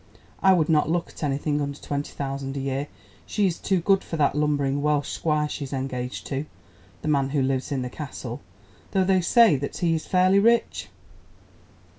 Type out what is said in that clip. I would not look at anything under twenty thousand a year. She is too good for that lumbering Welsh squire she's engaged to—the man who lives in the Castle—though they say that he is fairly rich."